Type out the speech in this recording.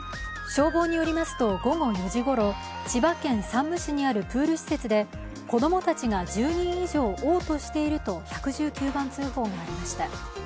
消防によりますと午後４時ごろ千葉県山武市にあるプール施設で子供たちが１０人以上、おう吐していると１１９番通報がありました。